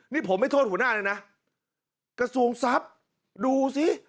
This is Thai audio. นี่ผมไม่โทษหัวหน้าเลยนะกระทรวงทรัพย์ดูสิ